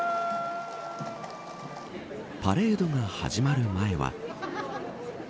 パレードが始まる前は。